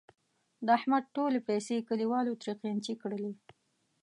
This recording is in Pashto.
د احمد ټولې پیسې کلیوالو ترې قېنچي کړلې.